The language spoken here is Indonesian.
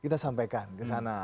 kita sampaikan ke sana